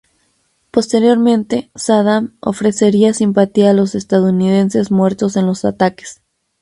Posteriormente, Saddam ofrecería simpatía a los estadounidenses muertos en los ataques.